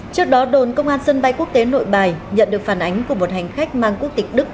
trước đó đồn công an sân bay quốc tế nội bài nhận được phản ánh của một hành khách mang quốc tịch đức